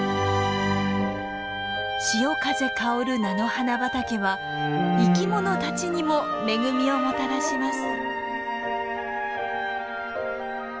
潮風香る菜の花畑は生きものたちにも恵みをもたらします。